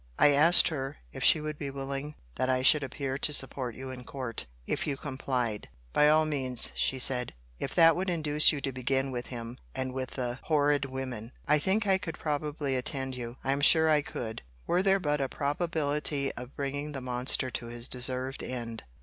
I asked her, if she would be willing that I should appear to support you in court, if you complied?—By all means, she said, if that would induce you to begin with him, and with the horrid women. I think I could probably attend you, I am sure I could, were there but a probability of bringing the monster to his deserved end.